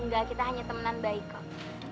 enggak kita hanya temanan baik kok